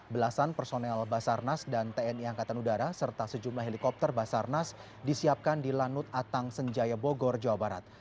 belasan personel basarnas dan tni angkatan udara serta sejumlah helikopter basarnas disiapkan di lanut atang senjaya bogor jawa barat